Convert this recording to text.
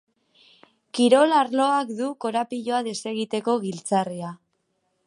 Kirol arloak du korapiloa desegiteko giltzarria.